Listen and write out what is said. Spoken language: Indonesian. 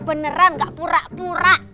beneran gak pura pura